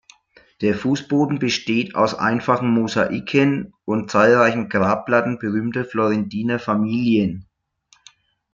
Der Fußboden besteht aus einfachen Mosaiken und zahlreichen Grabplatten berühmter florentiner Familien.